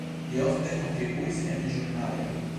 Li ofte kontribuis en ĵurnaloj.